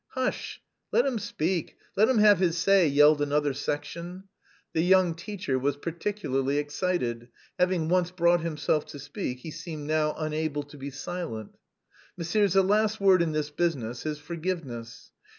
"Hush, let him speak, let him have his say!" yelled another section. The young teacher was particularly excited; having once brought himself to speak he seemed now unable to be silent. "Messieurs, the last word in this business is forgiveness.